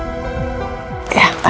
ibu masih ingat ini kan